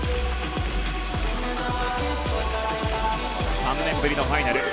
３年ぶりのファイナル。